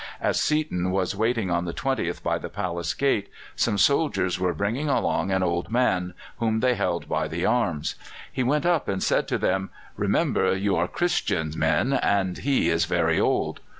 As Seaton was waiting on the 20th by the Palace Gate, some soldiers were bringing along an old man, whom they held by the arms. He went up and said to them: "Remember you are Christian men, and he is very old."